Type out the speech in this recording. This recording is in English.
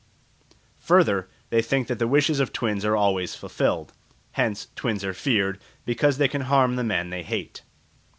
Further, they think that the wishes of twins are always fulfilled; hence twins are feared, because they can harm the man they hate.